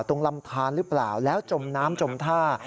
ตรงลำทานหรือเปล่าแล้วจมน้ำจมท่า